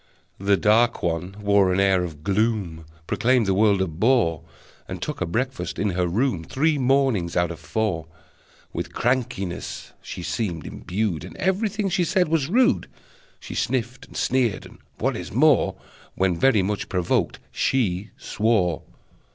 The dark one wore an air of gloom, Proclaimed the world a bore, And took her breakfast in her room Three mornings out of four. With crankiness she seemed imbued, And everything she said was rude: She sniffed, and sneered, and, what is more, When very much provoked, she swore!